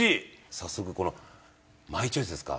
早速このマイチョイスですか。